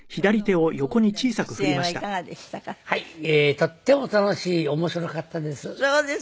とっても楽しい面白かったです。